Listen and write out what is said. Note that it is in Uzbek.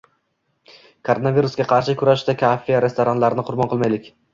Koronavirusga qarshi kurashda kafe-restoranlarni qurbon qilmaylik